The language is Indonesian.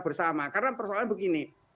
bersama karena persoalan begini